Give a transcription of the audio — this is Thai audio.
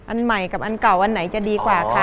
อันใหม่กับอันเก่าอันไหนจะดีกว่าคะ